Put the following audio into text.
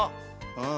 うん。